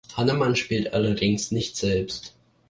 Hanneman spielte allerdings nicht selbst.